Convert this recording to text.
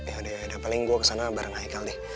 ya udah deh paling gue ke sana bareng haikal deh